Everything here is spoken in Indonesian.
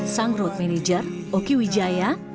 sang road manager oki wijaya